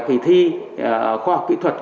kỳ thi khoa học kỹ thuật